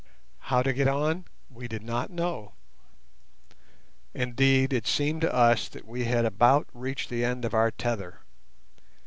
How to get on we did not know; indeed it seemed to us that we had about reached the end of our tether.